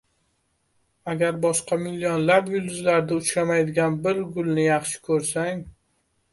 — Agar boshqa millionlab yulduzlarda uchramaydigan bir gulni yaxshi ko‘rsang